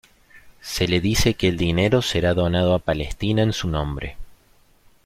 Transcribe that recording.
Se le dice que el dinero será donado a Palestina en su nombre.